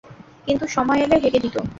কিন্তু সময় এলে, হেগে দিতো।